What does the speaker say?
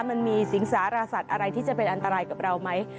มันมีสิงสารสัตว์อะไรที่จะเป็นอันตรายกับเราไหม